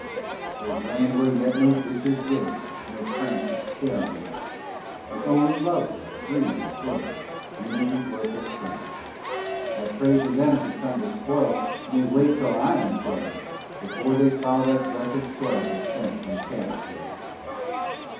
_ There's land where yet no ditchers dig Nor cranks experiment; It's only lovely, free and big And isn't worth a cent. I pray that them who come to spoil May wait till I am dead Before they foul that blessed soil With fence and cabbage head.